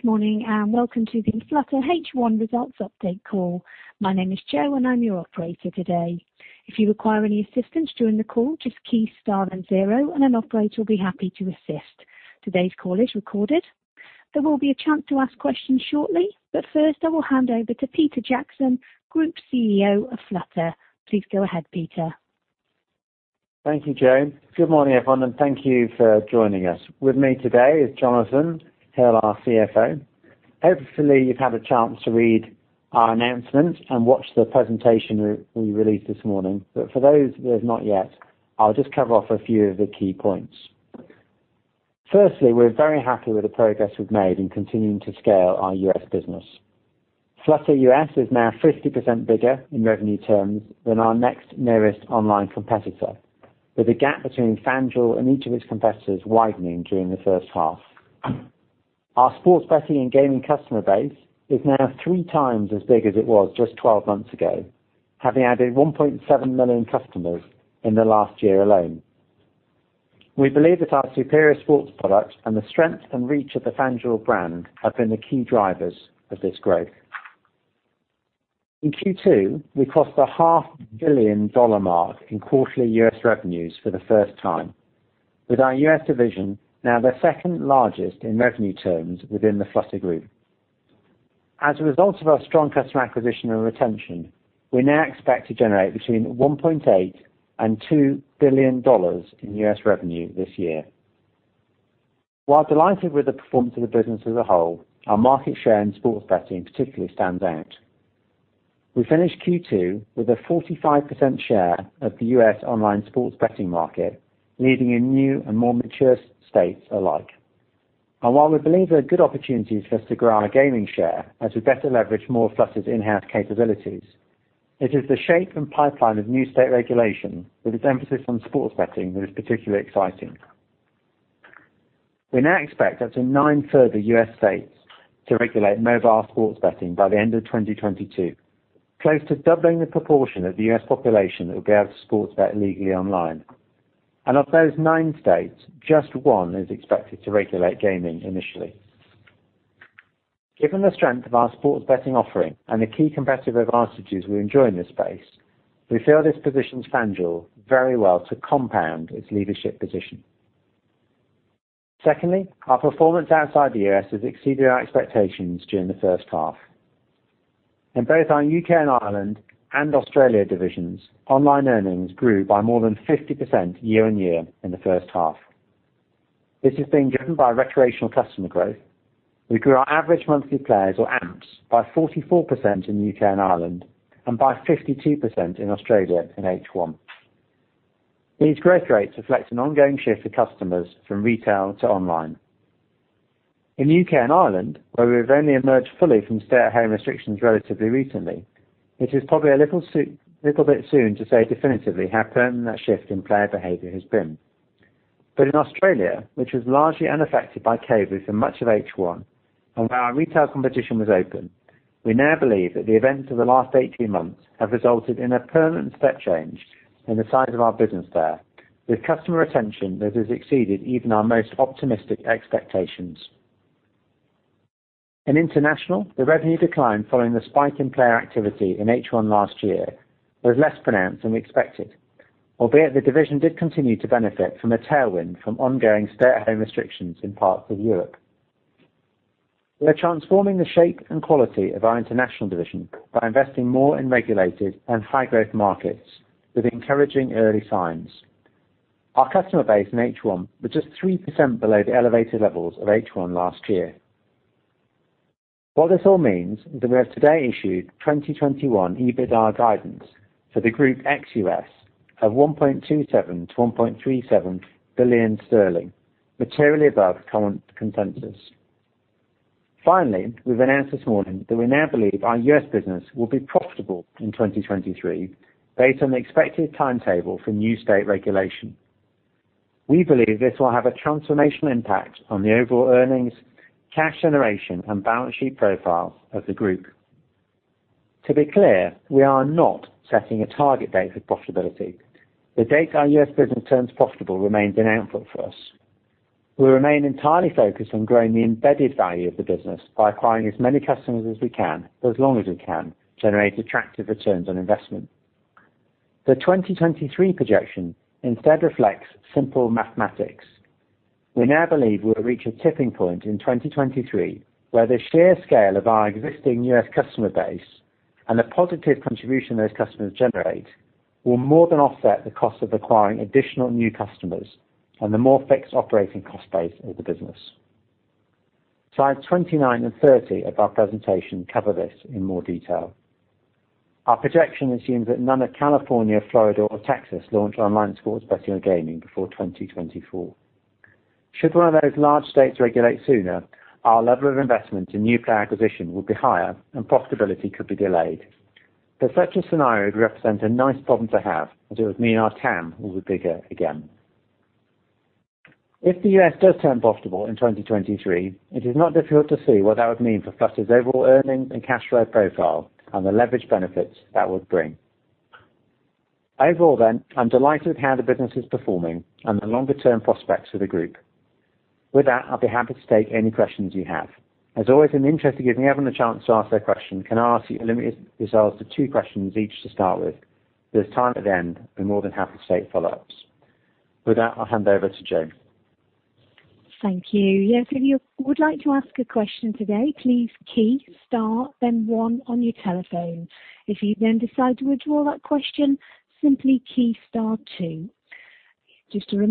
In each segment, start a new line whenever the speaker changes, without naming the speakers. Good morning, welcome to the Flutter H1 Results Update Call. My name is Jo, and I'm your operator today. If you require any assistance during the call, just key star and zero, and an operator will be happy to assist. Today's call is recorded. There will be a chance to ask questions shortly, first, I will hand over to Peter Jackson, Group CEO of Flutter. Please go ahead, Peter.
Thank you, Jo. Good morning, everyone, and thank you for joining us. With me today is Jonathan Hill, our CFO. Hopefully, you've had a chance to read our announcement and watch the presentation we released this morning. For those who have not yet, I'll just cover off a few of the key points. We're very happy with the progress we've made in continuing to scale our U.S. business. Flutter US is now 50% bigger in revenue terms than our next nearest online competitor, with the gap between FanDuel and each of its competitors widening during the first half. Our sports betting and gaming customer base is now three times as big as it was just 12 months ago, having added 1.7 million customers in the last year alone. We believe that our superior sports product and the strength and reach of the FanDuel brand have been the key drivers of this growth. In Q2, we crossed the half-billion dollar mark in quarterly U.S. revenues for the first time, with our U.S. division now the second-largest in revenue terms within the Flutter group. As a result of our strong customer acquisition and retention, we now expect to generate between $1.8 billion and $2 billion in U.S. revenue this year. While delighted with the performance of the business as a whole, our market share in sports betting particularly stands out. We finished Q2 with a 45% share of the U.S. online sports betting market, leading in new and more mature states alike. While we believe there are good opportunities for us to grow our gaming share as we better leverage more of Flutter's in-house capabilities, it is the shape and pipeline of new state regulation with its emphasis on sports betting that is particularly exciting. We now expect up to nine further U.S. states to regulate mobile sports betting by the end of 2022, close to doubling the proportion of the U.S. population that will be able to sports bet legally online. Of those nine states, just one is expected to regulate gaming initially. Given the strength of our sports betting offering and the key competitive advantages we enjoy in this space, we feel this positions FanDuel very well to compound its leadership position. Secondly, our performance outside the U.S. has exceeded our expectations during the first half. In both our U.K. and Ireland and Australia divisions, online earnings grew by more than 50% year-on-year in the first half. This has been driven by recreational customer growth. We grew our average monthly players or AMPs by 44% in U.K. and Ireland and by 52% in Australia in H1. These growth rates reflect an ongoing shift of customers from retail to online. In U.K. and Ireland, where we've only emerged fully from stay-at-home restrictions relatively recently, it is probably a little bit soon to say definitively how permanent that shift in player behavior has been. In Australia, which was largely unaffected by COVID for much of H1 and where our retail competition was open, we now believe that the events of the last 18 months have resulted in a permanent step change in the size of our business there, with customer retention that has exceeded even our most optimistic expectations. In international, the revenue decline following the spike in player activity in H1 last year was less pronounced than we expected, albeit the division did continue to benefit from a tailwind from ongoing stay-at-home restrictions in parts of Europe. We are transforming the shape and quality of our international division by investing more in regulated and high-growth markets with encouraging early signs. Our customer base in H1 was just 3% below the elevated levels of H1 last year. What this all means is that we have today issued 2021 EBITDA guidance for the Group ex U.S. of 1.27 billion-1.37 billion sterling, materially above current consensus. We've announced this morning that we now believe our U.S. business will be profitable in 2023 based on the expected timetable for new state regulation. We believe this will have a transformational impact on the overall earnings, cash generation, and balance sheet profiles of the group. To be clear, we are not setting a target date for profitability. The date our U.S. business turns profitable remains an output for us. We remain entirely focused on growing the embedded value of the business by acquiring as many customers as we can, for as long as we can, to generate attractive returns on investment. The 2023 projection instead reflects simple mathematics. We now believe we'll reach a tipping point in 2023, where the sheer scale of our existing U.S. customer base and the positive contribution those customers generate will more than offset the cost of acquiring additional new customers and the more fixed operating cost base of the business. Slides 29 and 30 of our presentation cover this in more detail. Our projection assumes that none of California, Florida, or Texas launch online sports betting or gaming before 2024. Should one of those large states regulate sooner, our level of investment in new player acquisition would be higher and profitability could be delayed, but such a scenario would represent a nice problem to have, as it would mean our TAM will be bigger again. If the U.S. does turn profitable in 2023, it is not difficult to see what that would mean for Flutter's overall earnings and cash flow profile and the leverage benefits that would bring. Overall, I'm delighted with how the business is performing and the longer-term prospects for the group. With that, I'll be happy to take any questions you have. As always, in the interest of giving everyone a chance to ask their question, can I ask that you limit yourselves to two questions each to start with? If there's time at the end, we're more than happy to take follow-ups. With that, I'll hand over to Jane.
Okay, we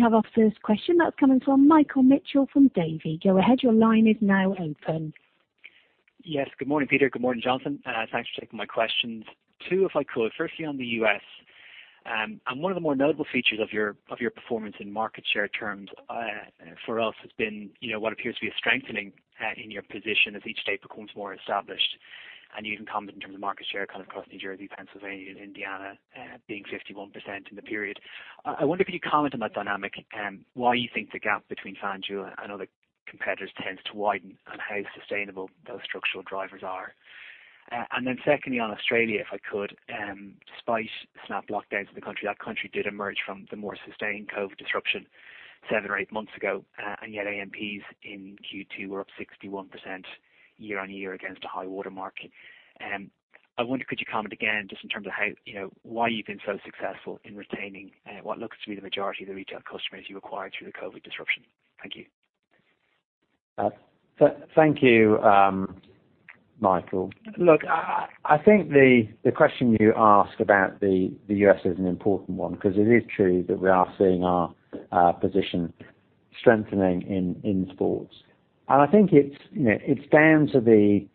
have our first question. That's coming from Michael Mitchell from Davy. Go ahead. Your line is now open.
Yes. Good morning, Peter. Good morning, Jonathan. Thanks for taking my questions. Two, if I could. Firstly, on the U.S., one of the more notable features of your performance in market share terms, for us, has been what appears to be a strengthening in your position as each state becomes more established, and you even comment in terms of market share kind of across New Jersey, Pennsylvania, and Indiana, being 51% in the period. I wonder if you could comment on that dynamic, why you think the gap between FanDuel and other competitors tends to widen, and how sustainable those structural drivers are. Secondly, on Australia, if I could, despite snap lockdowns in the country, that country did emerge from the more sustained COVID disruption seven or eight months ago, yet AMPs in Q2 were up 61% year-on-year against a high water mark. I wonder, could you comment again just in terms of why you've been so successful in retaining what looks to be the majority of the retail customers you acquired through the COVID disruption? Thank you.
Thank you, Michael. Look, I think the question you ask about the U.S. is an important one because it is true that we are seeing our position strengthening in sports. I think it's down to the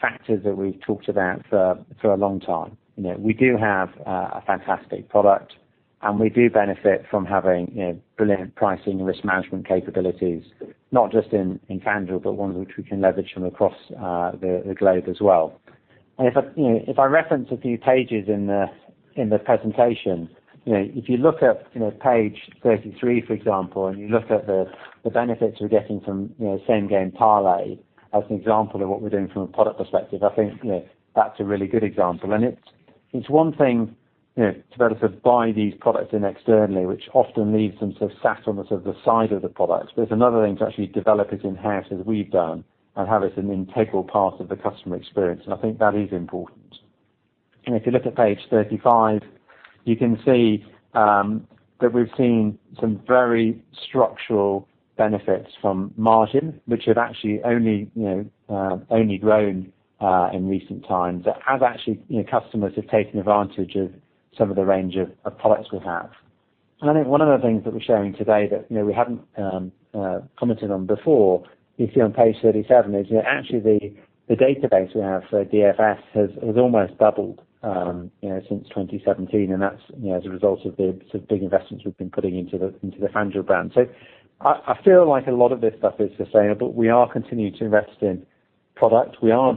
factors that we've talked about for a long time. We do have a fantastic product, and we do benefit from having brilliant pricing and risk management capabilities, not just in FanDuel, but ones which we can leverage from across the globe as well. If I reference a few pages in the presentation, if you look at page 33, for example, and you look at the benefits we're getting from Same Game Parlay as an example of what we're doing from a product perspective, I think that's a really good example. It's one thing to be able to buy these products in externally, which often leaves them sort of sat on the side of the products. It's another thing to actually develop it in-house as we've done and have it an integral part of the customer experience, and I think that is important. If you look at page 35, you can see that we've seen some very structural benefits from margin, which have actually only grown in recent times as actually customers have taken advantage of some of the range of products we have. I think one of the things that we're showing today that we haven't commented on before, you can see on page 37, is actually the database we have for DFS has almost doubled since 2017, and that's as a result of the sort of big investments we've been putting into the FanDuel brand. I feel like a lot of this stuff is sustainable. We are continuing to invest in product. We are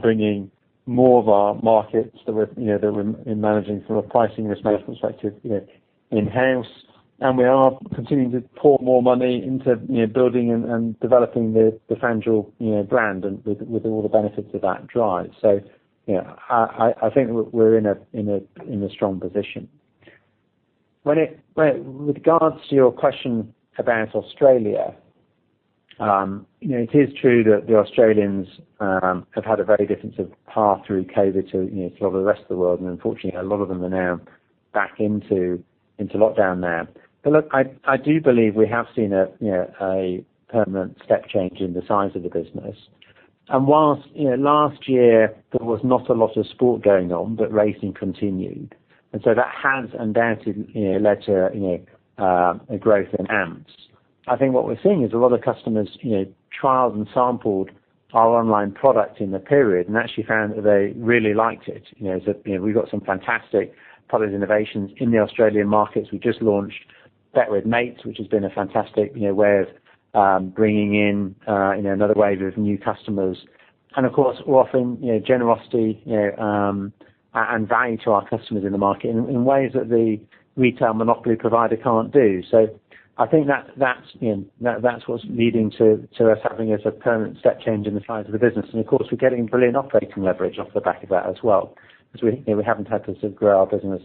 bringing more of our markets that we're managing from a pricing risk management perspective in-house, and we are continuing to pour more money into building and developing the FanDuel brand and with all the benefits that that drives. I think we're in a strong position. With regards to your question about Australia, it is true that the Australians have had a very different sort of path through COVID to a lot of the rest of the world, and unfortunately, a lot of them are now back into lockdown there. Look, I do believe we have seen a permanent step change in the size of the business. Whilst last year there was not a lot of sport going on, but racing continued, that has undoubtedly led to a growth in AMPs. I think what we're seeing is a lot of customers trialed and sampled our online product in the period and actually found that they really liked it. We got some fantastic product innovations in the Australian markets. We just launched Bet With Mates, which has been a fantastic way of bringing in another wave of new customers. Of course, we're offering generosity and value to our customers in the market in ways that the retail monopoly provider can't do. I think that's what's leading to us having a sort of permanent step change in the size of the business. Of course, we're getting brilliant operating leverage off the back of that as well because we haven't had to sort of grow our business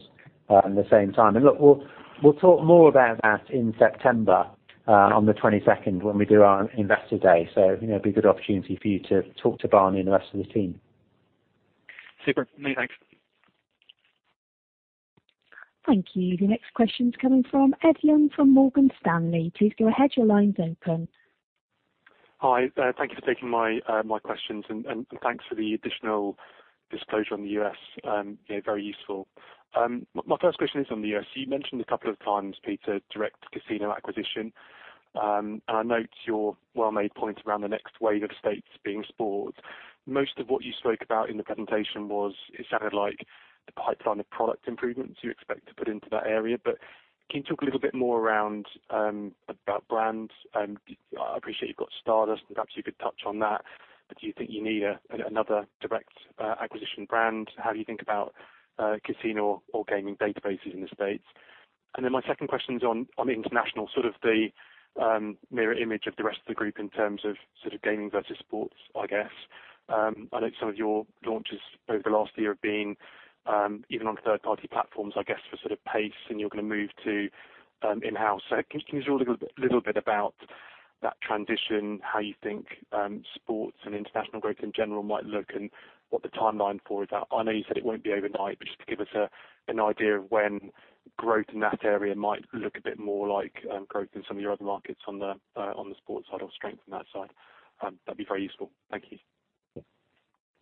in the same time. Look, we'll talk more about that in September on the 22nd when we do our Investor Day. It'll be a good opportunity for you to talk to Barni and the rest of the team.
Super. Many thanks.
Thank you. The next question is coming from Ed Young from Morgan Stanley. Please go ahead. Your line's open.
Hi. Thank you for taking my questions. Thanks for the additional disclosure on the U.S. Very useful. My first question is on the U.S. You mentioned a couple of times, Peter, direct casino acquisition. I note your well-made point around the next wave of states being sports. Most of what you spoke about in the presentation was, it sounded like the pipeline of product improvements you expect to put into that area. Can you talk a little bit more around about brands? I appreciate you've got Stardust. Perhaps you could touch on that. Do you think you need another direct acquisition brand? How do you think about casino or gaming databases in the States? My second question is on international, the mirror image of the rest of the group in terms of gaming versus sports, I guess. I know some of your launches over the last year have been even on third-party platforms, I guess, for pace and you're going to move to in-house. Can you just give us a little bit about that transition, how you think sports and international growth in general might look and what the timeline for that? I know you said it won't be overnight, but just to give us an idea of when growth in that area might look a bit more like growth in some of your other markets on the sports side or strength on that side. That'd be very useful. Thank you.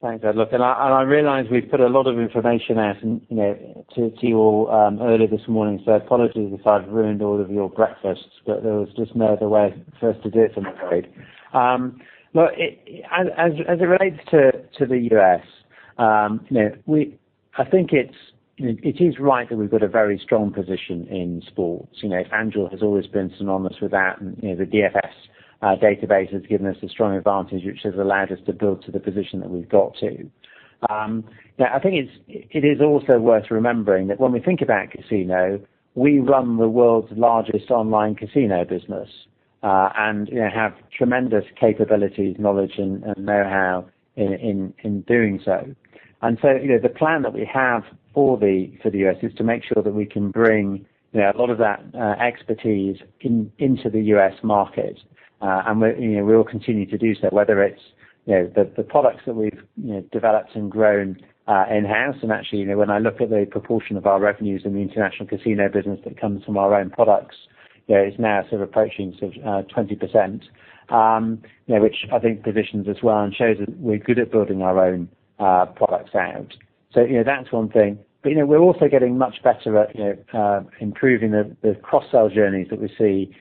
Thanks. Look, I realize we've put a lot of information out to you all earlier this morning, so apologies if I've ruined all of your breakfasts, but there was just no other way for us to do it, I'm afraid. As it relates to the U.S., I think it is right that we've got a very strong position in sports. FanDuel has always been synonymous with that, the DFS database has given us a strong advantage, which has allowed us to build to the position that we've got to. I think it is also worth remembering that when we think about casino, we run the world's largest online casino business and have tremendous capabilities, knowledge, and know-how in doing so. The plan that we have for the U.S. is to make sure that we can bring a lot of that expertise into the U.S. market. We will continue to do so, whether it's the products that we've developed and grown in-house. Actually, when I look at the proportion of our revenues in the international casino business that comes from our own products, it's now approaching sort of 20%, which I think positions us well and shows that we're good at building our own products out. That's one thing. We're also getting much better at improving the cross-sell journeys that we see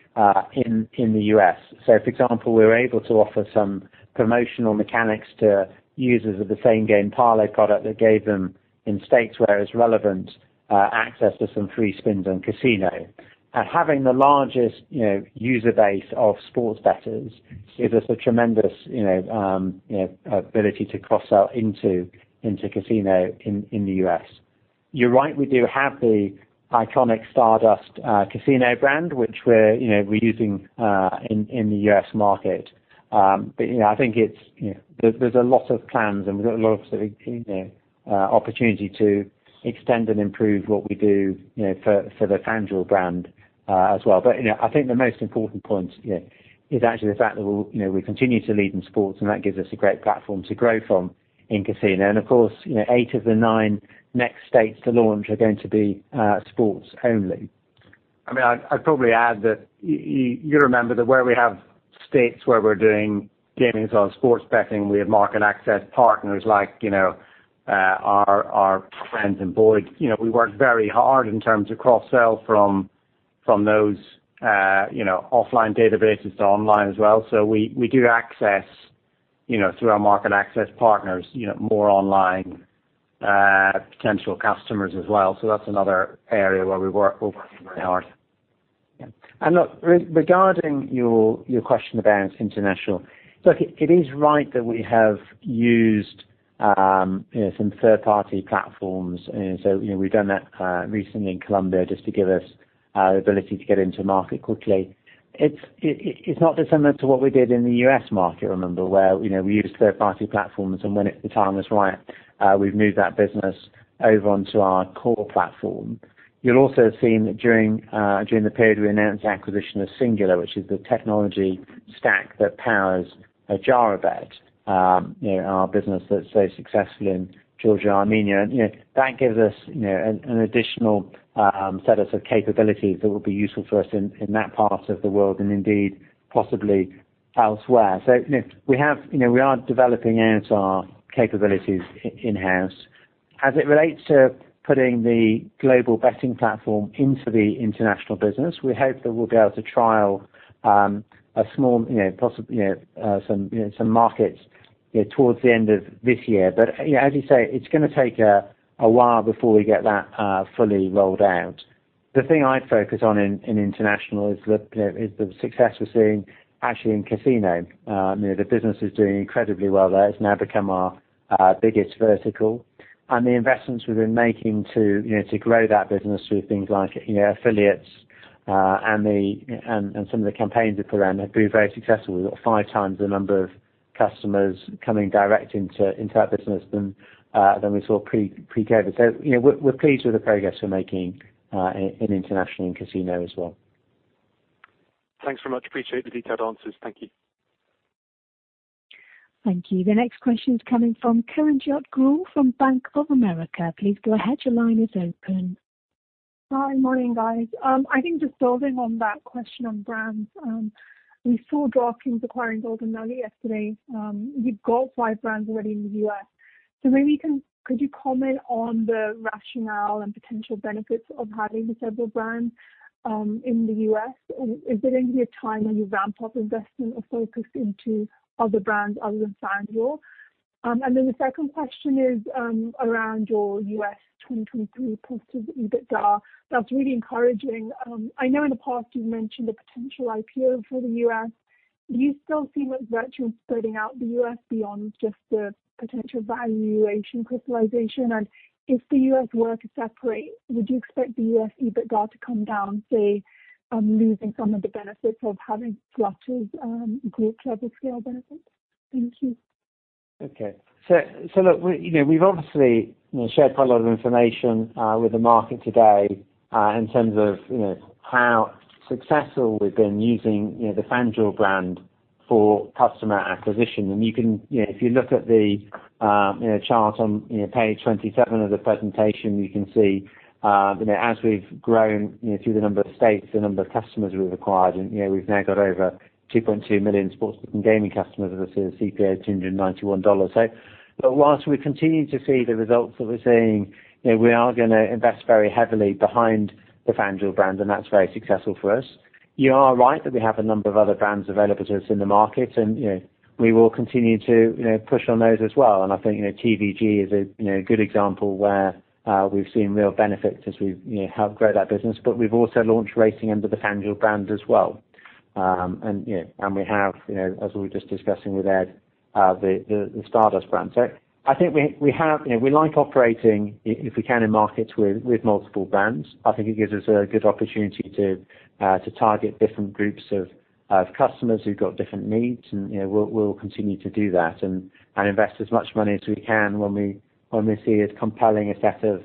in the U.S. For example, we were able to offer some promotional mechanics to users of the Same Game Parlay product that gave them, in states where it's relevant, access to some free spins on casino. Having the largest user base of sports bettors gives us a tremendous ability to cross-sell into casino in the U.S. You're right, we do have the iconic Stardust casino brand, which we're using in the U.S. market. I think there's a lot of plans, and we've got a lot of opportunity to extend and improve what we do for the FanDuel brand as well. I think the most important point is actually the fact that we continue to lead in sports, and that gives us a great platform to grow from in casino. Of course, eight of the nine next states to launch are going to be sports only.
I'd probably add that you remember that where we have states where we're doing gamings or sports betting, we have market access partners like our friends in Boyd. We work very hard in terms of cross-sell from those offline databases to online as well. We do access through our market access partners more online potential customers as well. That's another area where we're working very hard.
Yeah. Look, regarding your question about international. Look, it is right that we have used some third-party platforms. We've done that recently in Colombia just to give us the ability to get into market quickly. It's not dissimilar to what we did in the U.S. market, remember, where we used third-party platforms, and when the time was right, we've moved that business over onto our core platform. You'll also have seen that during the period we announced the acquisition of Singular, which is the technology stack that powers Adjarabet, our business that's so successful in Georgia and Armenia. That gives us an additional set of capabilities that will be useful for us in that part of the world and indeed possibly elsewhere. We are developing out our capabilities in-house. As it relates to putting the global betting platform into the international business, we hope that we'll be able to trial some markets towards the end of this year. As you say, it's going to take a while before we get that fully rolled out. The thing I'd focus on in international is the success we're seeing actually in casino. The business is doing incredibly well there. It's now become our biggest vertical. The investments we've been making to grow that business through things like affiliates and some of the campaigns we put around have been very successful. We've got five times the number of customers coming direct into that business than we saw pre-COVID. We're pleased with the progress we're making in international and casino as well.
Thanks very much. Appreciate the detailed answers. Thank you.
Thank you. The next question is coming from Kiranjot Grewal from Bank of America. Please go ahead. Your line is open.
Hi. Morning, guys. I think just building on that question on brands. We saw DraftKings acquiring Golden Nugget yesterday. You've got five brands already in the U.S. Maybe could you comment on the rationale and potential benefits of having several brands in the U.S.? Is there going to be a time when you ramp up investment or focus into other brands other than FanDuel? The second question is around your U.S. 2023 positive EBITDA. That's really encouraging. I know in the past you've mentioned a potential IPO for the U.S. Do you still see much virtue in spreading out the U.S. beyond just the potential valuation crystallization? If the U.S. were to separate, would you expect the U.S. EBITDA to come down, say, losing some of the benefits of having Flutter's group level scale benefits? Thank you.
Okay. Look, we've obviously shared quite a lot of information with the market today in terms of how successful we've been using the FanDuel brand for customer acquisition. If you look at the chart on page 27 of the presentation, you can see as we've grown through the number of states, the number of customers we've acquired, we've now got over 2.2 million [sportsbook and gaming] customers with a CPA of GBP 291. Whilst we continue to see the results that we're seeing, we are going to invest very heavily behind the FanDuel brand, that's very successful for us. You are right that we have a number of other brands available to us in the market, we will continue to push on those as well. I think TVG is a good example where we've seen real benefit as we've helped grow that business. We've also launched Racing under the FanDuel brand as well. We have, as we were just discussing with Ed, the Stardust brand. I think we like operating, if we can, in markets with multiple brands. I think it gives us a good opportunity to target different groups of customers who've got different needs, and we'll continue to do that and invest as much money as we can when we see as compelling a set of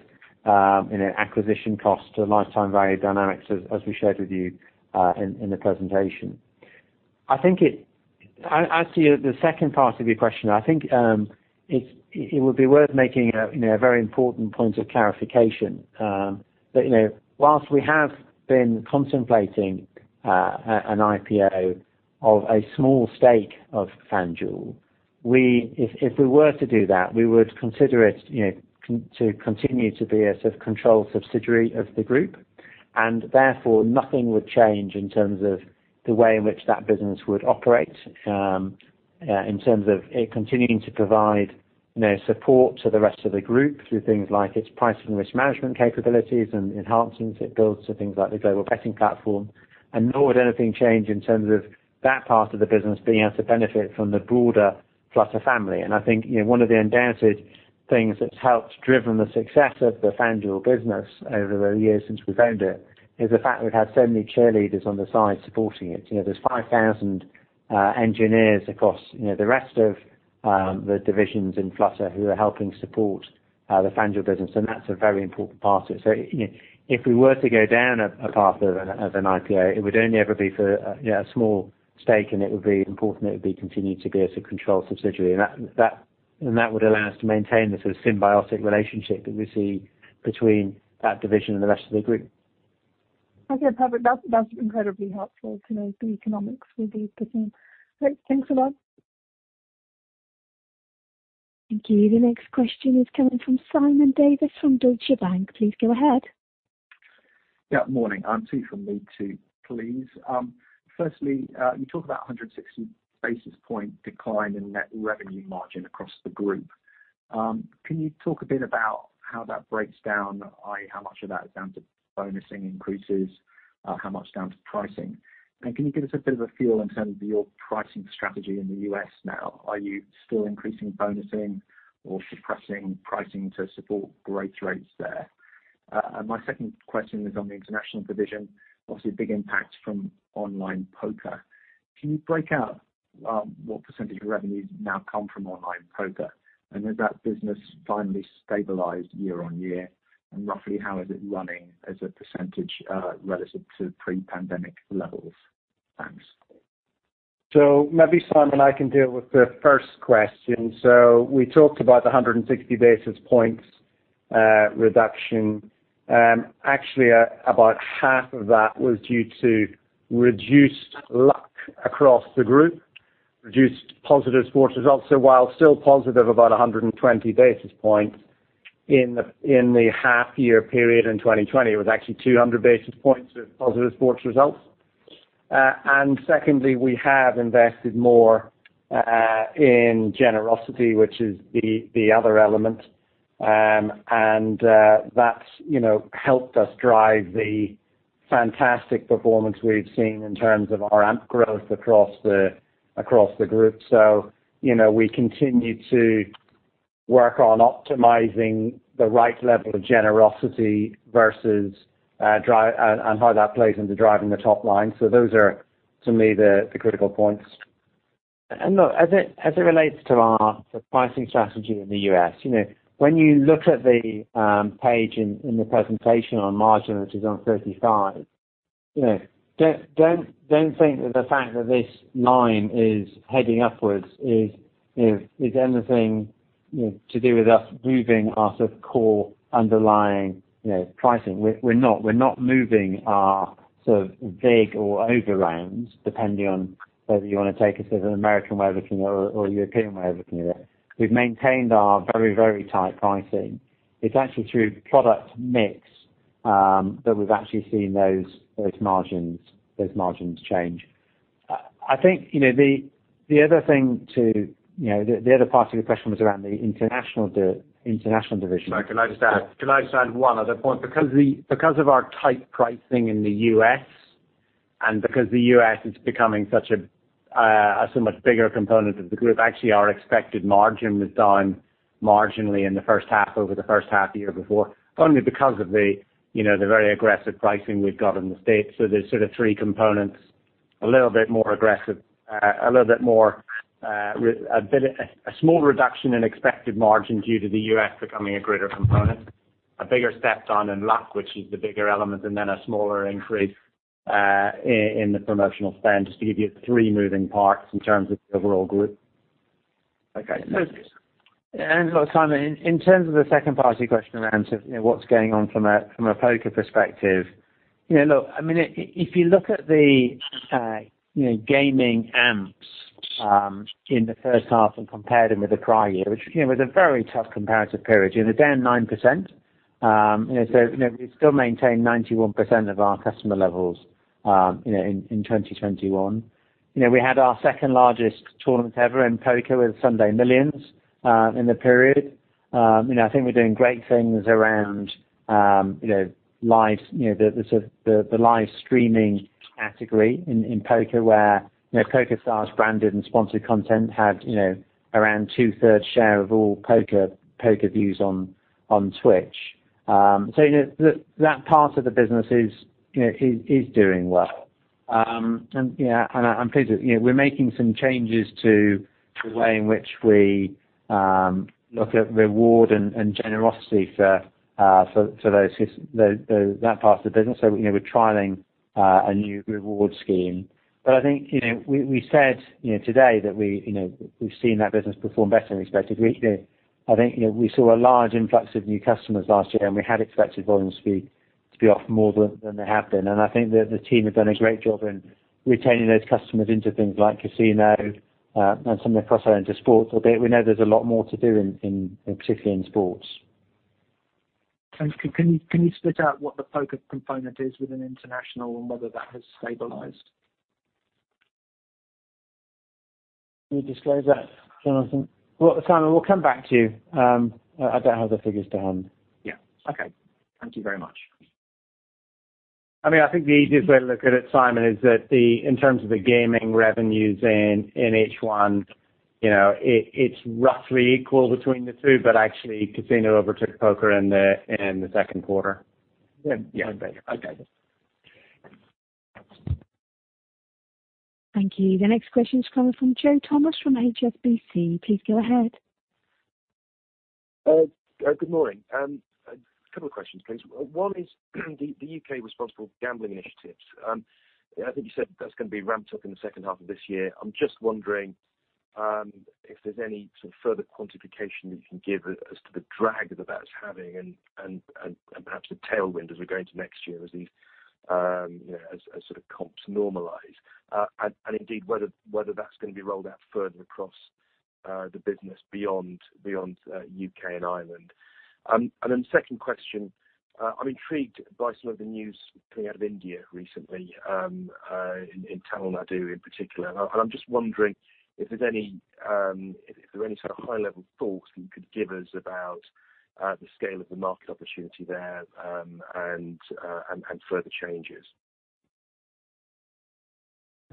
acquisition cost to lifetime value dynamics as we shared with you in the presentation. As to the second part of your question, I think it would be worth making a very important point of clarification, that whilst we have been contemplating an IPO of a small stake of FanDuel, if we were to do that, we would consider it to continue to be a controlled subsidiary of the group, and therefore nothing would change in terms of the way in which that business would operate in terms of it continuing to provide support to the rest of the group through things like its pricing risk management capabilities and enhancements it builds to things like the global betting platform. Nor would anything change in terms of that part of the business being able to benefit from the broader Flutter family. I think one of the undoubted things that's helped driven the success of the FanDuel business over the years since we've owned it, is the fact that we've had so many cheerleaders on the side supporting it. There's 5,000 engineers across the rest of the divisions in Flutter who are helping support the FanDuel business, and that's a very important part of it. If we were to go down a path of an IPO, it would only ever be for a small stake, and it would be important it would be continued to be as a controlled subsidiary, and that would allow us to maintain the sort of symbiotic relationship that we see between that division and the rest of the group.
Okay, perfect. That's incredibly helpful to know the economics will be the same. Great. Thanks a lot.
Thank you. The next question is coming from Simon Davies from Deutsche Bank. Please go ahead.
Morning. Two from me, too, please. Firstly, you talk about 160 basis point decline in net revenue margin across the group. Can you talk a bit about how that breaks down, i.e., how much of that is down to bonusing increases, how much down to pricing? Can you give us a bit of a feel in terms of your pricing strategy in the U.S. now? Are you still increasing bonusing or suppressing pricing to support growth rates there? My second question is on the international division. Obviously a big impact from online poker. Can you break out what percentage of revenues now come from online poker, and has that business finally stabilized year-over-year, and roughly how is it running as a percentage relative to pre-pandemic levels? Thanks.
Maybe Simon, I can deal with the first question. We talked about the 160 basis points reduction. Actually, about half of that was due to reduced luck across the group, reduced positive sports results. While still positive about 120 basis points in the half year period in 2020, it was actually 200 basis points of positive sports results. Secondly, we have invested more in generosity, which is the other element. That's helped us drive the fantastic performance we've seen in terms of our AMP growth across the group. We continue to work on optimizing the right level of generosity versus drive, and how that plays into driving the top line. Those are, to me, the critical points.
Look, as it relates to our pricing strategy in the U.S., when you look at the page in the presentation on margin, which is on 35, don't think that the fact that this line is heading upwards is anything to do with us moving our core underlying pricing. We're not. We're not moving our vig or overround, depending on whether you want to take a sort of an American way of looking or European way of looking at it. We've maintained our very, very tight pricing. It's actually through product mix that we've actually seen those margins change. I think the other part of your question was around the international division.
Sorry, can I just add one other point? Because of our tight pricing in the U.S. and because the U.S. is becoming a so much bigger component of the group, actually, our expected margin was down marginally in the first half over the first half the year before, only because of the very aggressive pricing we've got in the States. There's sort of three components, a little bit more aggressive, a small reduction in expected margin due to the U.S. becoming a greater component, a bigger step down in luck, which is the bigger element, and then a smaller increase in the promotional spend, just to give you three moving parts in terms of the overall group.
Look, Simon, in terms of the second part of your question around what's going on from a poker perspective, look, if you look at the gaming AMPs in the first half and compare them with the prior year, which was a very tough comparative period, they're down 9%. We still maintain 91% of our customer levels in 2021. We had our second-largest tournament ever in poker with Sunday Million in the period. I think we're doing great things around the live streaming category in poker where PokerStars branded and sponsored content had around 2/3 share of all poker views on Twitch. So that part of the business is doing well. I'm pleased that we're making some changes to the way in which we look at reward and generosity for that part of the business. So we're trialing a new reward scheme. I think we said today that we've seen that business perform better than we expected. I think we saw a large influx of new customers last year, and we had expected volumes to be off more than they have been. I think that the team have done a great job in retaining those customers into things like casino, and some of they cross-sell into sports, but we know there's a lot more to do in, particularly in sports.
Can you split out what the poker component is within international and whether that has stabilized?
Let me disclose that, Jonathan. Well, Simon, we'll come back to you. I don't have the figures to hand.
Yeah. Okay. Thank you very much.
I think the easiest way to look at it, Simon, is that in terms of the gaming revenues in H1, it's roughly equal between the two, but actually casino overtook poker in the second quarter.
Yeah. Okay.
Thank you. The next question is coming from Joe Thomas from HSBC. Please go ahead.
Good morning. A couple of questions, please. One is the U.K. responsible gambling initiatives. I think you said that's going to be ramped up in the second half of this year. I'm just wondering if there's any sort of further quantification that you can give as to the drag that that's having and perhaps the tailwind as we go into next year as these comps normalize. Indeed whether that's going to be rolled out further across the business beyond U.K. and Ireland. Second question, I'm intrigued by some of the news coming out of India recently in Tamil Nadu in particular. I'm just wondering if there are any sort of high-level thoughts you could give us about the scale of the market opportunity there and further changes.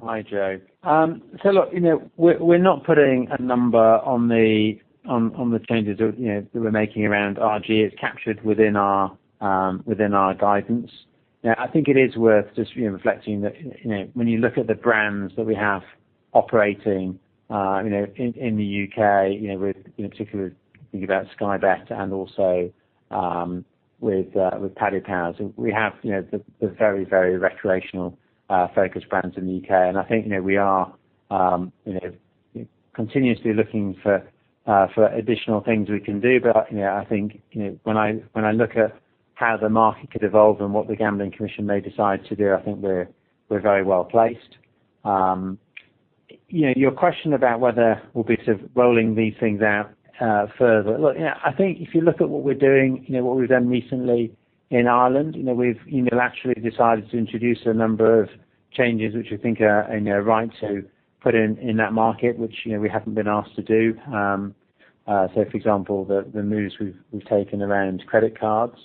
Hi, Joe. Look, we're not putting a number on the changes that we're making around RG. It's captured within our guidance. I think it is worth just reflecting that when you look at the brands that we have operating in the U.K., in particular thinking about Sky Bet and also with Paddy Power, we have the very recreational-focused brands in the U.K. I think we are continuously looking for additional things we can do. I think when I look at how the market could evolve and what the Gambling Commission may decide to do, I think we're very well-placed. Your question about whether we'll be sort of rolling these things out further. Look, I think if you look at what we're doing, what we've done recently in Ireland, we've unilaterally decided to introduce a number of changes which we think are right to put in that market, which we haven't been asked to do. For example, the moves we've taken around credit cards.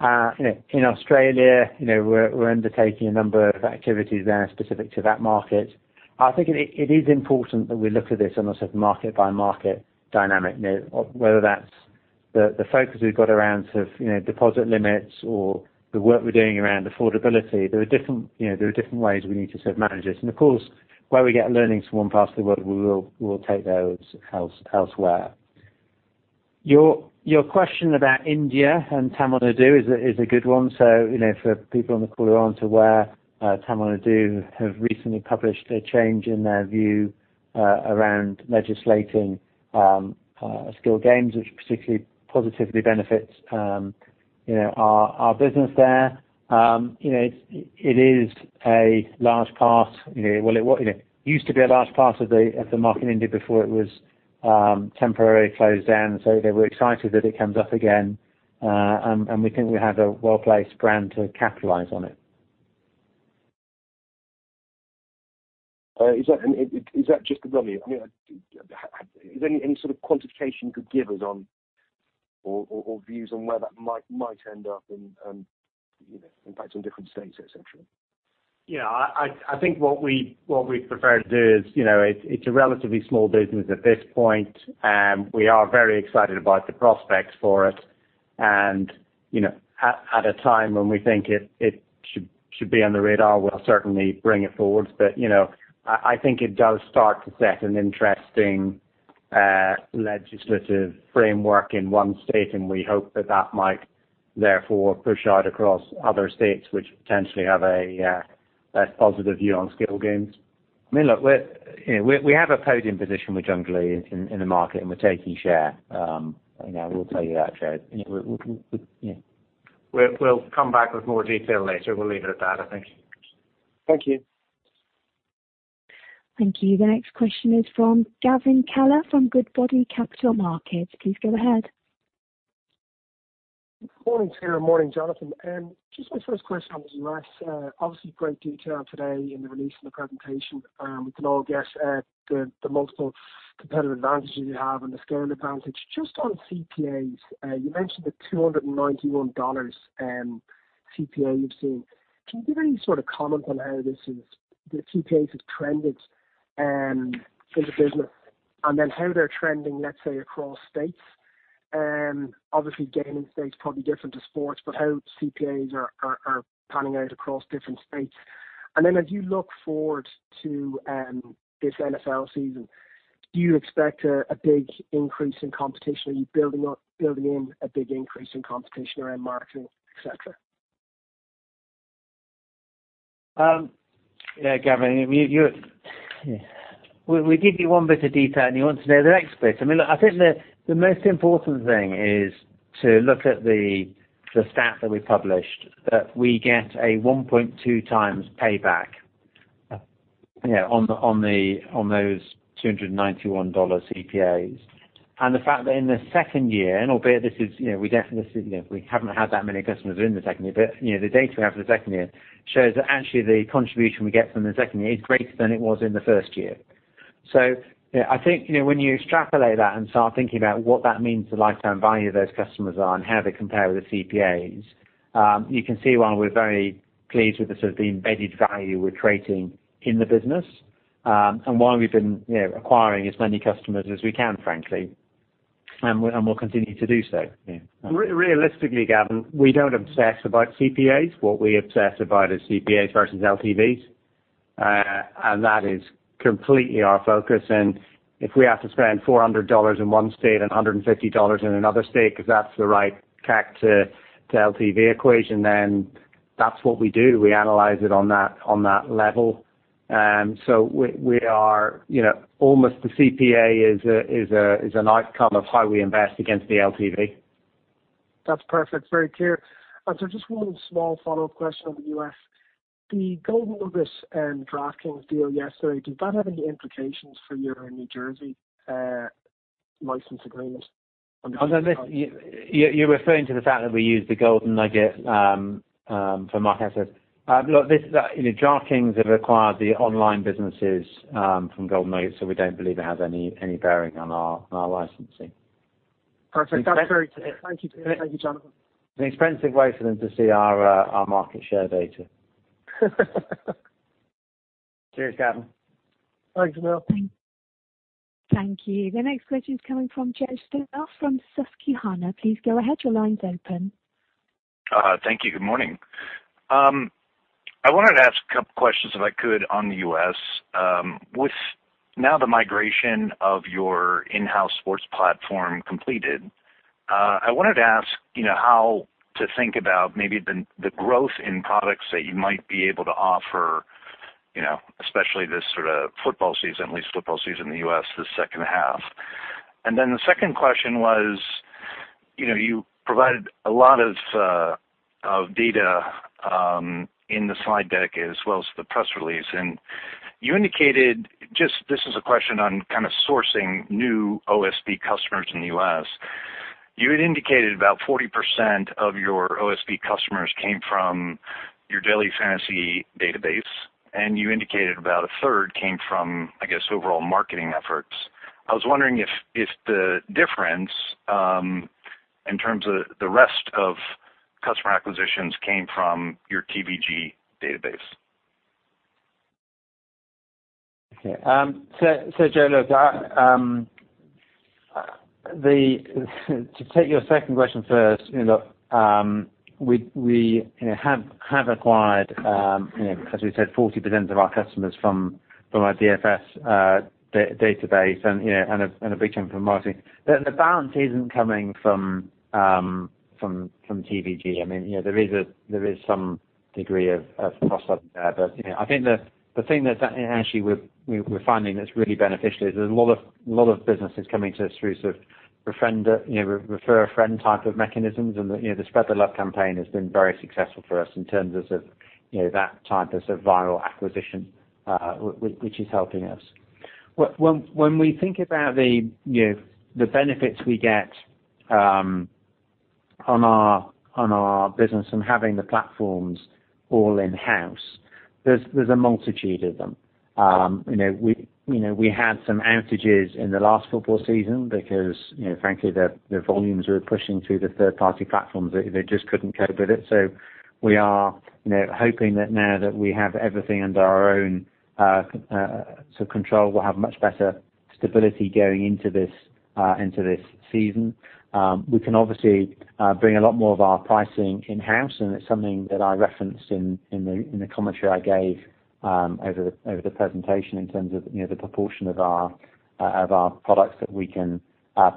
In Australia, we're undertaking a number of activities there specific to that market. I think it is important that we look at this almost as market-by-market dynamic, whether that's the focus we've got around deposit limits or the work we're doing around affordability. There are different ways we need to manage this. Of course, where we get learnings from one part of the world, we will take those elsewhere. Your question about India and Tamil Nadu is a good one. For people on the call who aren't aware, Tamil Nadu have recently published a change in their view around legislating skill games, which particularly positively benefits our business there. It used to be a large part of the market in India before it was. Temporarily closed down. We're excited that it comes up again, and we think we have a well-placed brand to capitalize on it.
Is that just the volume? Is there any sort of quantification you could give us on, or views on where that might end up in impact on different states, et cetera?
Yeah, I think what we prefer to do is, it's a relatively small business at this point. We are very excited about the prospects for it and at a time when we think it should be on the radar we'll certainly bring it forward. I think it does start to set an interesting legislative framework in one state, and we hope that that might therefore push out across other states which potentially have a less positive view on skill games.
Look, we have a podium position with Junglee in the market, and we're taking share, we'll tell you that, Joe. We'll come back with more detail later. We'll leave it at that, I think.
Thank you.
Thank you. The next question is from Gavin Kelleher from Goodbody Capital Markets. Please go ahead.
Morning to you, and morning, Jonathan. My first question was on the U.S., obviously great detail today in the release and the presentation. We can all guess at the multiple competitive advantages you have and the scaling advantage. On CPAs, you mentioned the GBP 291 CPA you've seen. Can you give any sort of comment on how the CPAs have trended in the business, and then how they're trending, let's say, across states? Obviously gaming states probably different to sports, how CPAs are panning out across different states. As you look forward to this NFL season, do you expect a big increase in competition? Are you building in a big increase in competition around marketing, et cetera?
Yeah, Gavin, we give you one bit of detail, and you want to know the next bit. Look, I think the most important thing is to look at the stat that we published, that we get a 1.2x payback on those GBP 291 CPAs. The fact that in the second year, and albeit we haven't had that many customers in the second year, but the data we have for the second year shows that actually the contribution we get from the second year is greater than it was in the first year. I think when you extrapolate that and start thinking about what that means to the lifetime value those customers are and how they compare with the CPAs, you can see why we're very pleased with the sort of the embedded value we're creating in the business, and why we've been acquiring as many customers as we can, frankly, and we'll continue to do so, yeah.
Realistically, Gavin, we don't obsess about CPAs. What we obsess about is CPAs versus LTVs. That is completely our focus and if we have to spend $400 in one state and $150 in another state because that's the right CAC to LTV equation, then that's what we do. We analyze it on that level. We are almost the CPA is an outcome of how we invest against the LTV.
That's perfect. Very clear. Just one small follow-up question on the U.S. The Golden Nugget DraftKings deal yesterday, does that have any implications for your New Jersey license agreement?
You're referring to the fact that we use the Golden Nugget for market share? Look, DraftKings have acquired the online businesses from Golden Nugget, so we don't believe it has any bearing on our licensing.
Perfect. That's very clear. Thank you, Jonathan.
An expensive way for them to see our market share data. Cheers, Gavin.
Thanks, Hill.
Thank you. The next question is coming from Joe Stauff from Susquehanna. Please go ahead. Your line's open.
Thank you. Good morning. I wanted to ask two questions, if I could, on the U.S. With now the migration of your in-house sports platform completed, I wanted to ask how to think about maybe the growth in products that you might be able to offer, especially this sort of football season, at least football season in the U.S., this second half. The second question was you provided a lot of data in the slide deck as well as the press release, you indicated, just this is a question on kind of sourcing new OSB customers in the U.S. You had indicated about 40% of your OSB customers came from your daily fantasy database, and you indicated about 1/3 came from, I guess, overall marketing efforts. I was wondering if the difference in terms of the rest of customer acquisitions came from your TVG database.
Okay. Joe, to take your second question first, look, we have acquired as we said, 40% of our customers from our DFS database and a big chunk from marketing. The balance isn't coming from TVG. There is some degree of crossover there. I think the thing that actually we're finding that's really beneficial is there's a lot of businesses coming to us through sort of refer a friend type of mechanisms and the Spread the Love campaign has been very successful for us in terms of that type of sort of viral acquisition which is helping us.
When we think about the benefits we get on our business and having the platforms all in-house, there's a multitude of them. We had some outages in the last football season because frankly, the volumes we were pushing through the third-party platforms, they just couldn't cope with it. We are hoping that now that we have everything under our own control, we'll have much better stability going into this season. We can obviously bring a lot more of our pricing in-house, it's something that I referenced in the commentary I gave over the presentation in terms of the proportion of our products that we can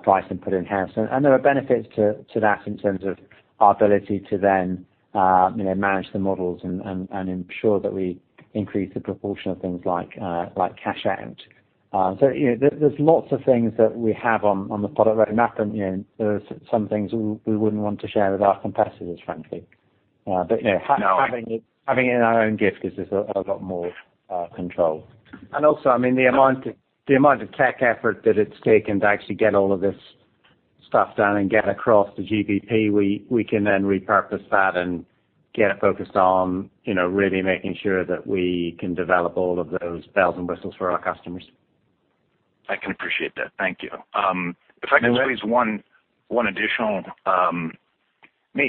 price and put in-house. There are benefits to that in terms of our ability to then manage the models and ensure that we increase the proportion of things like cash out. There's lots of things that we have on the product roadmap, and there are some things we wouldn't want to share with our competitors, frankly. Having it in our own gift gives us a lot more control. Also, the amount of tech effort that it's taken to actually get all of this stuff done and get across the GBP, we can then repurpose that and get it focused on really making sure that we can develop all of those bells and whistles for our customers.
I can appreciate that. Thank you.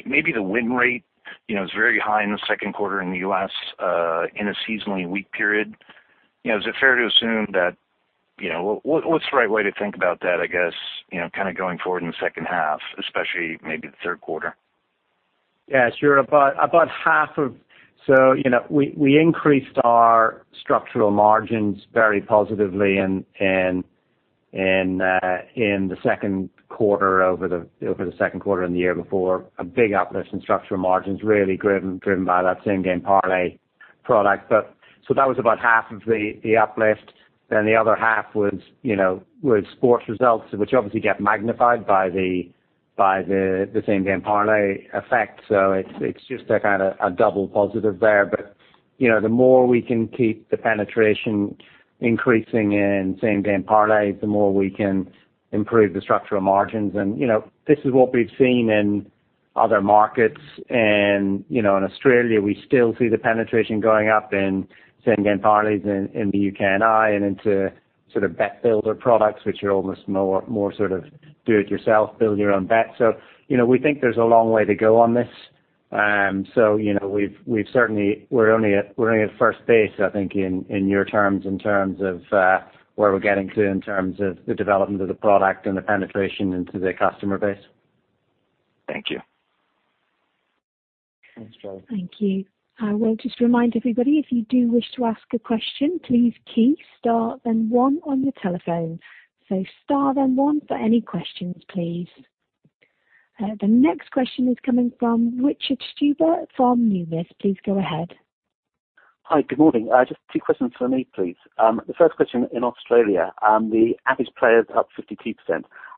Maybe the win rate is very high in the second quarter in the US in a seasonally weak period. What's the right way to think about that, I guess, kind of going forward in the second half, especially maybe the third quarter?
Yeah, sure. We increased our structural margins very positively in the second quarter over the second quarter in the year before, a big uplift in structural margins really driven by that Same Game Parlay product. That was about half of the uplift. The other half was sports results, which obviously get magnified by the Same Game Parlay effect. It's just a kind of a double positive there. The more we can keep the penetration increasing in Same Game Parlays, the more we can improve the structural margins. This is what we've seen in other markets, and in Australia, we still see the penetration going up in Same Game Parlays in the U.K. and I, and into sort of Bet Builder products, which are almost more sort of do it yourself, build your own bet. We think there's a long way to go on this. We're only at first base, I think in your terms, in terms of where we're getting to in terms of the development of the product and the penetration into the customer base.
Thank you.
Thanks, Joe.
Thank you. I will just remind everybody, if you do wish to ask a question, please key star then one on your telephone. Star then one for any questions, please. The next question is coming from Richard Stuber from Numis. Please go ahead.
Hi, good morning. Just two questions from me, please. The first question in Australia, the average player is up 52%.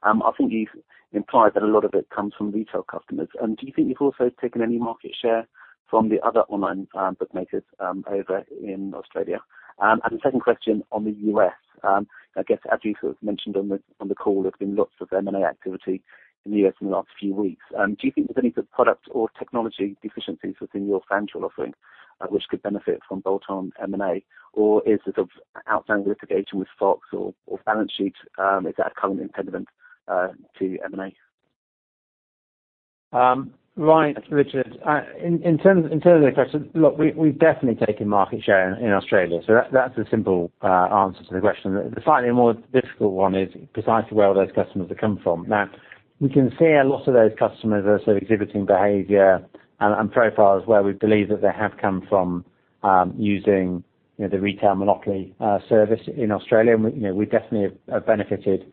I think you've implied that a lot of it comes from retail customers. Do you think you've also taken any market share from the other online bookmakers over in Australia? The second question on the U.S., I guess as you sort of mentioned on the call, there's been lots of M&A activity in the U.S. in the last few weeks. Do you think there's any product or technology deficiencies within your FanDuel offering which could benefit from bolt-on M&A? Is it outstanding litigation with Fox or balance sheet, is that a current impediment to M&A?
Right, Richard. In terms of the question, look, we've definitely taken market share in Australia, so that's a simple answer to the question. The slightly more difficult one is precisely where all those customers have come from. We can see a lot of those customers are sort of exhibiting behavior and profiles where we believe that they have come from using the retail monopoly service in Australia, and we definitely have benefited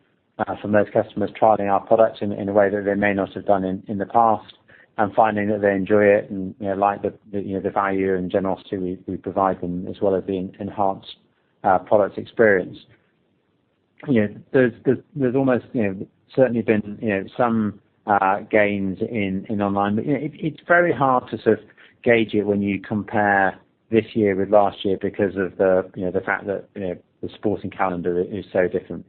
from those customers trialing our products in a way that they may not have done in the past and finding that they enjoy it and like the value and generosity we provide them, as well as the enhanced products experience. There's almost certainly been some gains in online, but it's very hard to sort of gauge it when you compare this year with last year because of the fact that the sporting calendar is so different.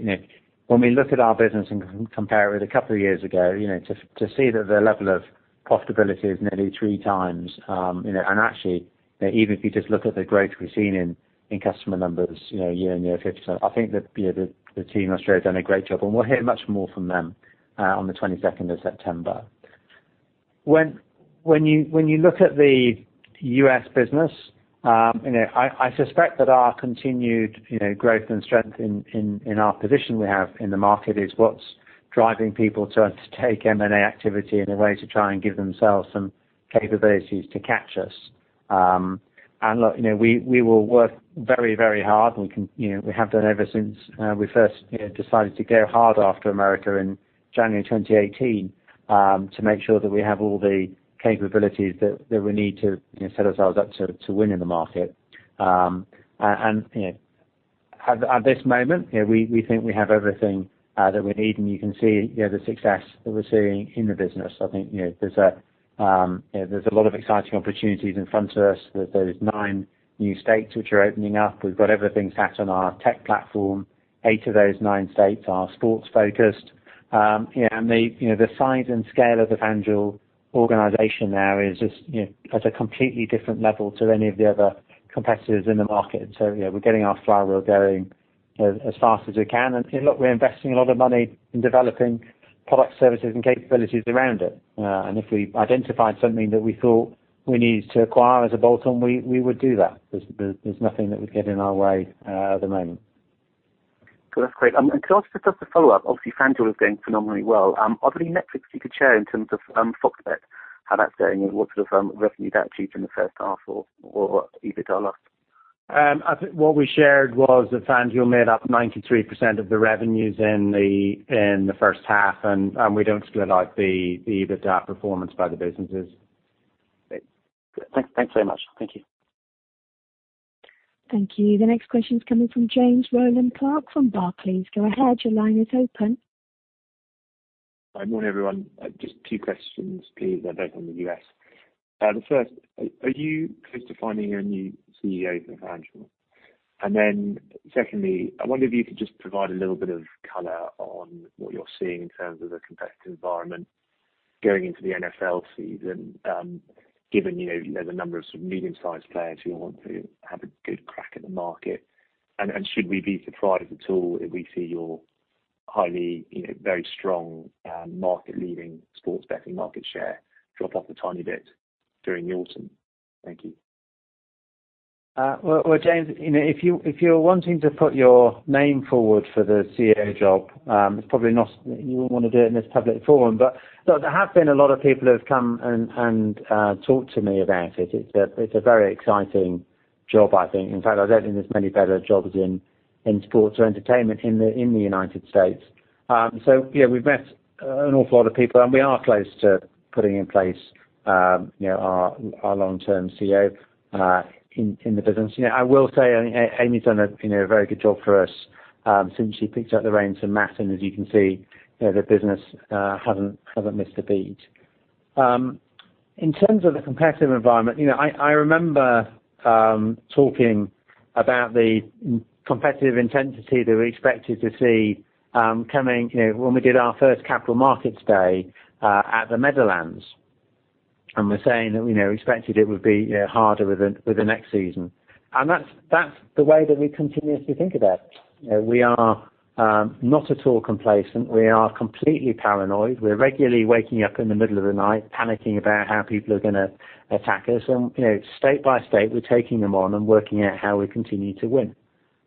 When we look at our business and compare it with a couple of years ago, to see that the level of profitability is nearly three times and actually, even if you just look at the growth we've seen in customer numbers year-on-year of 50%, I think that the team in Australia have done a great job, and we'll hear much more from them on the 22nd of September. When you look at the U.S. business, I suspect that our continued growth and strength in our position we have in the market is what's driving people to undertake M&A activity in a way to try and give themselves some capabilities to catch us. Look, we will work very hard and we have done ever since we first decided to go hard after America in January 2018, to make sure that we have all the capabilities that we need to set ourselves up to win in the market. At this moment, we think we have everything that we need, and you can see the success that we're seeing in the business. I think there's a There's a lot of exciting opportunities in front of us. There's those nine new states which are opening up. We've got everything sat on our tech platform. Eight of those nine states are sports focused. The size and scale of the FanDuel organization there is at a completely different level to any of the other competitors in the market. Yeah, we're getting our flywheel going as fast as we can. Look, we're investing a lot of money in developing product services and capabilities around it. If we identified something that we thought we needed to acquire as a bolt-on, we would do that. There's nothing that would get in our way at the moment.
That's great. Could I ask just a follow-up? Obviously, FanDuel is doing phenomenally well. Are there any metrics you could share in terms of FOX Bet, how that's doing, and what sort of revenue that achieved in the first half or EBITDA loss?
I think what we shared was that FanDuel made up 93% of the revenues in the first half, and we don't split out the EBITDA performance by the businesses.
Great. Thanks very much. Thank you.
Thank you. The next question is coming from James Rowland Clark from Barclays. Go ahead, your line is open.
Good morning, everyone. Just two questions, please. They're both on the U.S. The first, are you close to finding your new CEO for FanDuel? Secondly, I wonder if you could just provide a little bit of color on what you're seeing in terms of the competitive environment going into the NFL season, given there's a number of medium-sized players who want to have a good crack at the market. Should we be surprised at all if we see your highly, very strong, market-leading sports betting market share drop off a tiny bit during the autumn? Thank you.
James, if you're wanting to put your name forward for the CEO job, you wouldn't want to do it in this public forum. Look, there have been a lot of people who have come and talked to me about it. It's a very exciting job, I think. In fact, I don't think there's many better jobs in sports or entertainment in the U.S. Yeah, we've met an awful lot of people, and we are close to putting in place our long-term CEO in the business. I will say, Amy's done a very good job for us since she picked up the reins from Matt. As you can see, the business hasn't missed a beat. In terms of the competitive environment, I remember talking about the competitive intensity that we expected to see coming when we did our first capital markets day at the Meadowlands, and we were saying that we expected it would be harder with the next season. That's the way that we continuously think about it. We are not at all complacent. We are completely paranoid. We're regularly waking up in the middle of the night panicking about how people are going to attack us. State by state, we're taking them on and working out how we continue to win.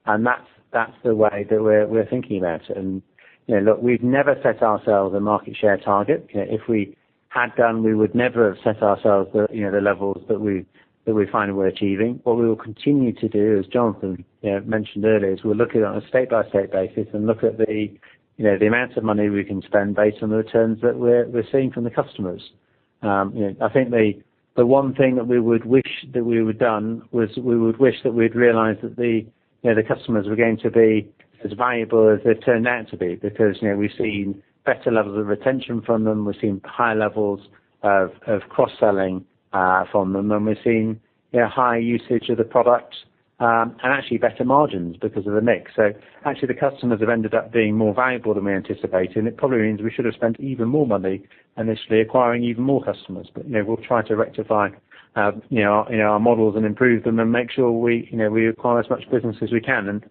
That's the way that we're thinking about it. Look, we've never set ourselves a market share target. If we had done, we would never have set ourselves the levels that we're achieving. What we will continue to do, as Jonathan mentioned earlier, is we're looking on a state-by-state basis and look at the amount of money we can spend based on the returns that we're seeing from the customers. I think the one thing that we would wish that we had done was we would wish that we'd realized that the customers were going to be as valuable as they've turned out to be because we've seen better levels of retention from them, we've seen higher levels of cross-selling from them, and we've seen higher usage of the product and actually better margins because of the mix. Actually, the customers have ended up being more valuable than we anticipated, and it probably means we should have spent even more money initially acquiring even more customers. We'll try to rectify our models and improve them and make sure we acquire as much business as we can.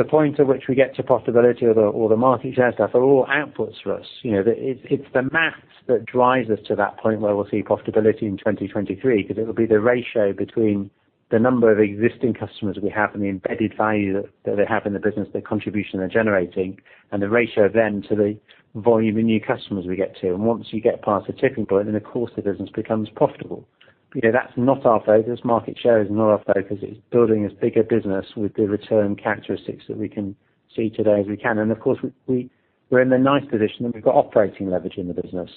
The point at which we get to profitability or the market share stuff are all outputs for us. It's the math that drives us to that point where we'll see profitability in 2023 because it will be the ratio between the number of existing customers we have and the embedded value that they have in the business, the contribution they're generating, and the ratio then to the volume of new customers we get to. Once you get past the tipping point, then of course the business becomes profitable. That's not our focus. Market share is not our focus. It's building as big a business with the return characteristics that we can see today as we can. Of course, we're in the nice position that we've got operating leverage in the business.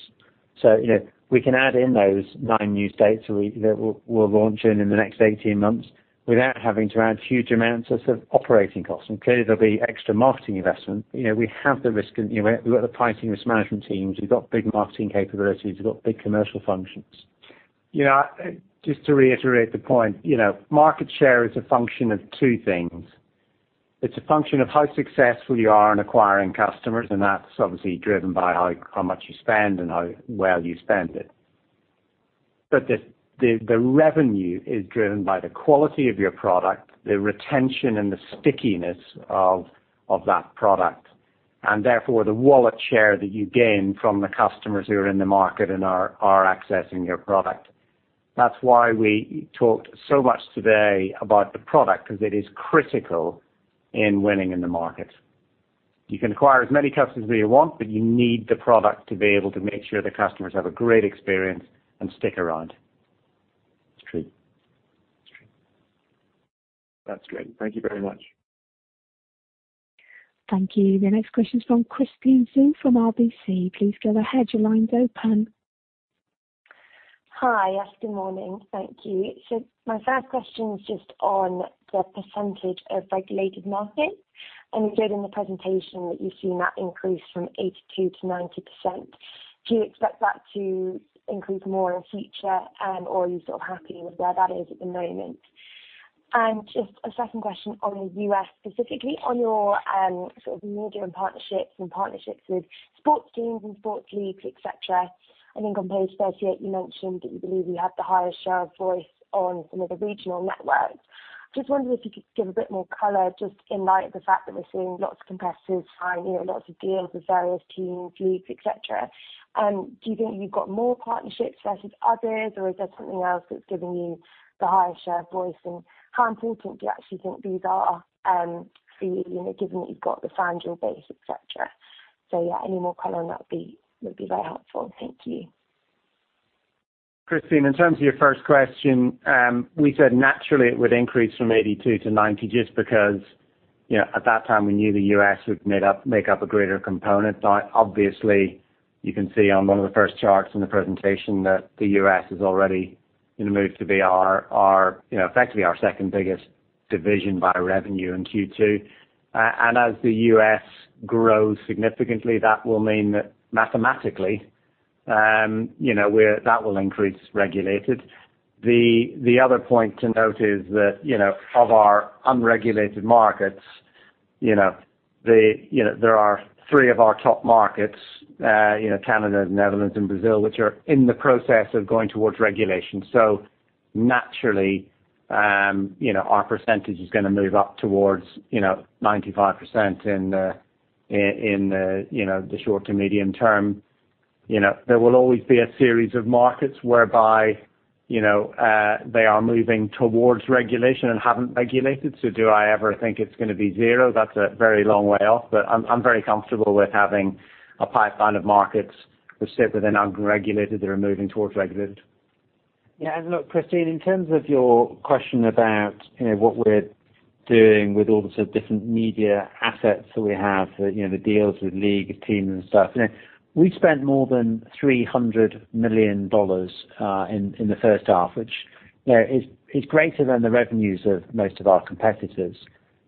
We can add in those nine new states that we're launching in the next 18 months without having to add huge amounts of operating costs. Clearly, there'll be extra marketing investment. We have the risk, and we've got the pricing risk management teams. We've got big marketing capabilities. We've got big commercial functions. Just to reiterate the point, market share is a function of two things. It's a function of how successful you are in acquiring customers, and that's obviously driven by how much you spend and how well you spend it. The revenue is driven by the quality of your product, the retention and the stickiness of that product, and therefore the wallet share that you gain from the customers who are in the market and are accessing your product. That's why we talked so much today about the product because it is critical in winning in the market. You can acquire as many customers as you want, but you need the product to be able to make sure the customers have a great experience and stick around.
It's true. That's great. Thank you very much.
Thank you. The next question is from Christine Zhou from RBC. Please go ahead. Your line's open.
Hi. Yes, good morning. Thank you. My first question is just on the percentage of regulated markets, and you said in the presentation that you've seen that increase from 82% to 90%. Do you expect that to increase more in the future, or are you sort of happy with where that is at the moment? Just a second question on the U.S., specifically on your sort of media and partnerships and partnerships with sports teams and sports leagues, et cetera. I think on page 38, you mentioned that you believe you have the highest share of voice on some of the regional networks. Just wondering if you could give a bit more color just in light of the fact that we're seeing lots of competitors signing lots of deals with various teams, leagues, et cetera. Do you think you've got more partnerships versus others, or is there something else that's giving you the highest share of voice? How important do you actually think these are for you, given that you've got the FanDuel base, et cetera? Yeah, any more color on that would be very helpful. Thank you.
Christine, in terms of your first question, we said naturally it would increase from 82 to 90, just because at that time, we knew the U.S. would make up a greater component. Obviously, you can see on one of the first charts in the presentation that the U.S. is already in a move to be effectively our second-biggest division by revenue in Q2. As the U.S. grows significantly, that will mean that mathematically, that will increase regulated. The other point to note is that of our unregulated markets, there are three of our top markets Canada, Netherlands, and Brazil, which are in the process of going towards regulation. Naturally, our percentage is going to move up towards 95% in the short to medium term. There will always be a series of markets whereby they are moving towards regulation and haven't regulated. Do I ever think it's going to be zero? That's a very long way off, but I'm very comfortable with having a pipeline of markets that sit within unregulated that are moving towards regulated.
Look, Christine, in terms of your question about what we're doing with all the sort of different media assets that we have, the deals with league teams and stuff. We spent more than $300 million in the first half, which is greater than the revenues of most of our competitors.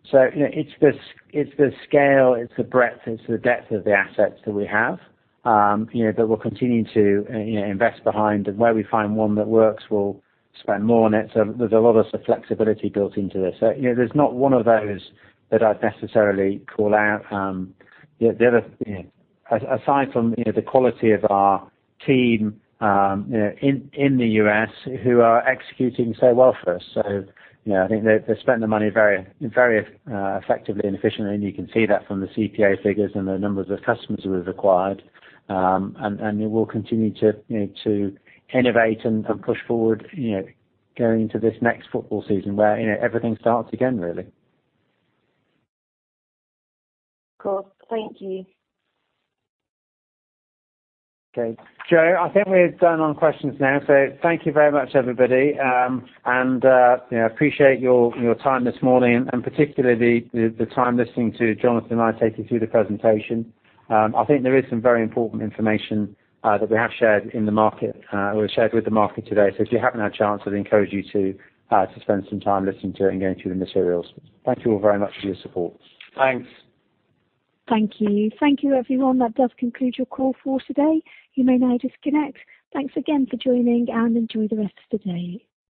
It's the scale, it's the breadth, it's the depth of the assets that we have, that we'll continue to invest behind. Where we find one that works, we'll spend more on it. There's a lot of flexibility built into this. There's not one of those that I'd necessarily call out. Aside from the quality of our team in the U.S. who are executing so well for us. I think they're spending the money very effectively and efficiently, and you can see that from the CPA figures and the numbers of customers we've acquired. We'll continue to innovate and push forward going into this next football season where everything starts again, really.
Of course. Thank you.
Okay, Joe, I think we're done on questions now. Thank you very much, everybody, and appreciate your time this morning, and particularly the time listening to Jonathan and I take you through the presentation. I think there is some very important information that we have shared in the market, or shared with the market today. If you haven't had a chance, I'd encourage you to spend some time listening to it and going through the materials. Thank you all very much for your support.
Thanks.
Thank you. Thank you, everyone. That does conclude your call for today. You may now disconnect. Thanks again for joining, and enjoy the rest of the day.